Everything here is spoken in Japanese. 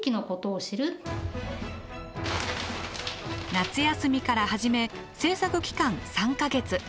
夏休みから始め制作期間３か月。